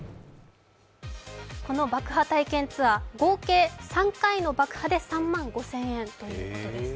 この爆破体験ツアー、合計３回の爆破で３万５０００円ということです。